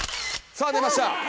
さあ出ました。